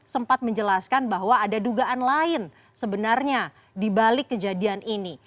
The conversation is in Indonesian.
sempat menjelaskan bahwa ada dugaan lain sebenarnya dibalik kejadian ini